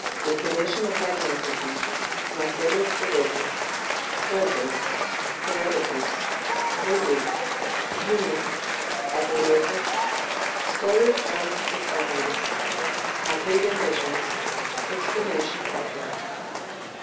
Definition of Lycanthropy — ^Marcellus Sidctes — Virgil — ^Herodotus — Ovid — Pliny — Agriopas — Story from Pctronias — Arcadian Legends — Explanation offered.